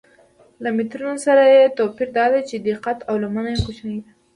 له مترونو سره یې توپیر دا دی چې دقت او لمنه یې کوچنۍ ده.